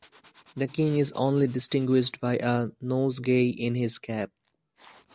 The king is only distinguished by a nosegay in his cap.